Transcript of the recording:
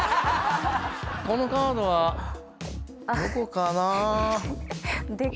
このカードはどこかな？